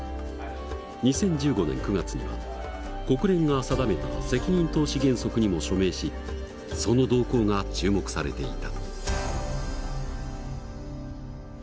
２０１５年９月には国連が定めた責任投資原則にも署名しその動向が注目されていた。